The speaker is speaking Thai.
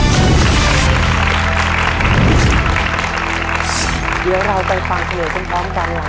เดี๋ยวเราไปฟังเพลงกันพร้อมกันหลาย